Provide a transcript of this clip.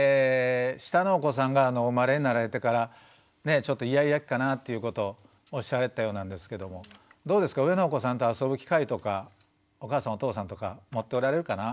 下のお子さんがお生まれになられてからちょっとイヤイヤ期かなっていうことをおっしゃられてたようなんですけどもどうですか上のお子さんと遊ぶ機会とかお母さんお父さんとか持っておられるかな？